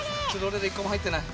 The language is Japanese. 俺ら１個も入ってない。